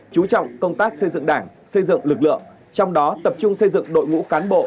chú trọng công tác xây dựng đảng xây dựng lực lượng trong đó tập trung xây dựng đội ngũ cán bộ